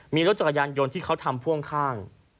มีรถจักรยานยนต์ที่เขาทำพ่วงข้าง